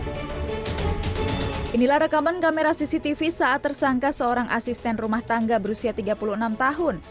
hai inilah rekaman kamera cctv saat tersangka seorang asisten rumah tangga berusia tiga puluh enam tahun